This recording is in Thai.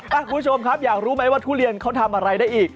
คุณผู้ชมครับอยากรู้ไหมว่าทุเรียนเขาทำอะไรได้อีก